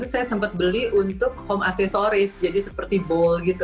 jadi saya beli untuk home accessories jadi seperti bowl gitu